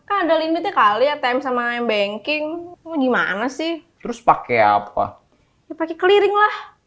ada limitnya kali ya time sama banking gimana sih terus pakai apa pakai keliling lah oh